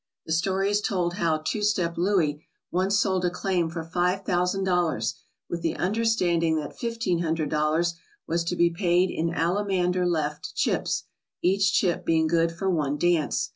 The story is told how "Two step Louie " once sold a claim for five thousand dollars with the understanding that fifteen hundred dollars was to be paid in Alamander Left chips, each chip being good for one dance.